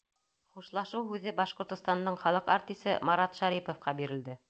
Хушлашыу һүҙе Башҡортостандың халыҡ артисы Марат Шәриповҡа бирелде.